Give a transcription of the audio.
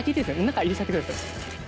中入れちゃってください。